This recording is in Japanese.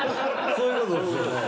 そういうことですね。